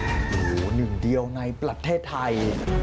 โอ้โหหนึ่งเดียวในประเทศไทย